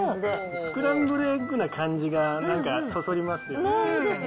スクランブルエッグな感じが、なんかそそりますよね。